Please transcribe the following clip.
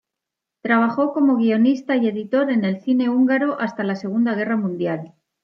Trabajó como guionista y editor en el cine húngaro hasta la Segunda Guerra Mundial.